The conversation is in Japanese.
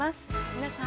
皆さん